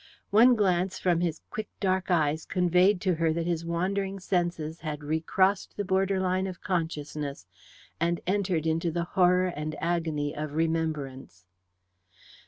One glance from his quick dark eyes conveyed to her that his wandering senses had recrossed the border line of consciousness, and entered into the horror and agony of remembrance.